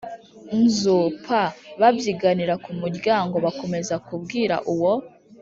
nzu p babyiganira ku muryango bakomeza kubwira uwo